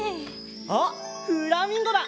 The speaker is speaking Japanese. あっフラミンゴだ！